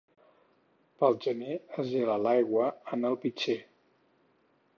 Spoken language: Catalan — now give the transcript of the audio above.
Pel gener es gela l'aigua en el pitxer.